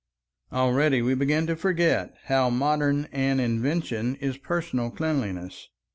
Already we begin to forget how modern an invention is personal cleanliness.